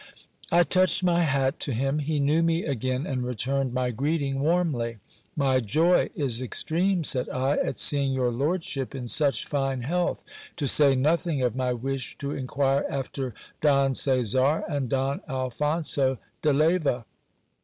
I touched my hat to him ; he knew me again, and returned my greeting warmly. My joy is extreme, said I, at seeing your lordship in such fine health, to say nothing of my wish to inquire after Don Caesar and Don Alphonso de Leyva.